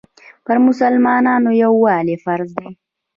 پر مسلمانانو یووالی فرض دی.